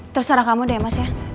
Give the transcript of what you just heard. terserah kamu deh ya mas ya